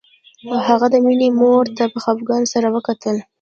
هغه د مينې مور ته په خپګان سره وکتل